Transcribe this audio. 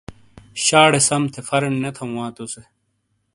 شاڑے سم تھے پھرینڈ نے تھوں وا تُو سے۔